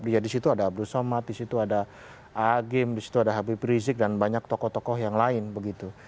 jadi disitu ada abdul somad disitu ada agim disitu ada habib rizik dan banyak tokoh tokoh yang lain begitu